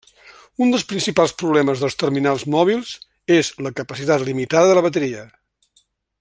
Un dels principals problemes dels terminals mòbils és la capacitat limitada de la bateria.